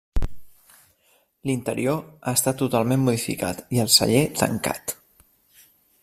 L'interior ha estat totalment modificat i el celler tancat.